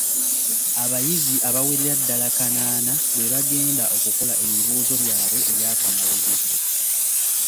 Abayizi abawerera ddala kanaana bebagenda okukola ebibuuzo byabwe ebyakamalirizo.